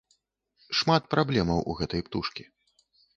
Шмат праблемаў у гэтай птушкі.